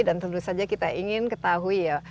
dan tentu saja kita ingin ketahui ya